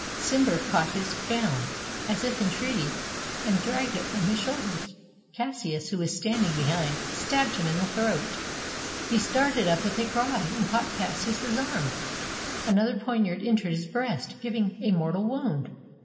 Cimber caught his gown, as if in entreaty, and dragged it from his shoulders. Cassius, who was stand ing behind, stabbed him in the throat. He started up with a cry, and caught Cassius's arm. Another poniard entered his breast, giving a mortal wound.